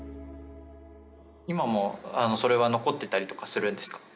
今もそれは残ってたりとかするんですか？